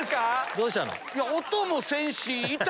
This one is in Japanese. どうしたの？